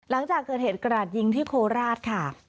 หลังจากเกิดเหตุกระดาษยิงที่โคราชค่ะ